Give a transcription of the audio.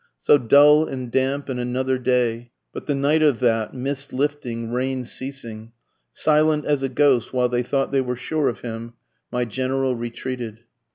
So dull and damp and another day, But the night of that, mist lifting, rain ceasing, Silent as a ghost while they thought they were sure of him, my General retreated.